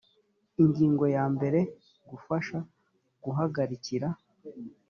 ingingo ya mbere gufasha guhagarikira